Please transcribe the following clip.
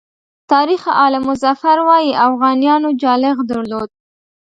تاریخ آل مظفر وایي اوغانیانو جالغ درلود.